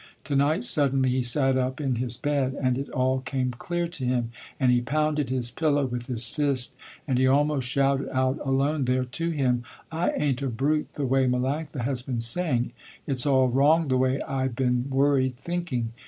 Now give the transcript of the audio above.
Tonight suddenly he sat up in his bed, and it all came clear to him, and he pounded his pillow with his fist, and he almost shouted out alone there to him, "I ain't a brute the way Melanctha has been saying. Its all wrong the way I been worried thinking.